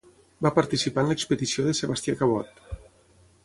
Va participar en l'expedició de Sebastià Cabot.